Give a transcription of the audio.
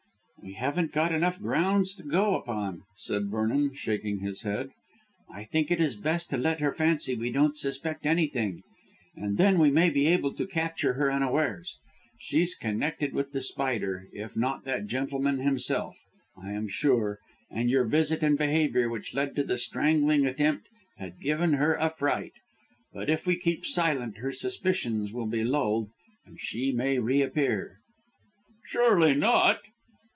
"We haven't got enough grounds to go upon," said Vernon, shaking his head. "I think it is best to let her fancy we don't suspect anything and then we may be able to capture her unawares. She's connected with The Spider, if not that gentleman himself, I am sure, and your visit and behaviour, which led to the strangling attempt, have given her a fright. But if we keep silent her suspicions will be lulled and she may reappear." "Surely not."